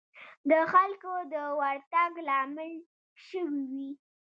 د خلکو د ورتګ لامل شوې وي.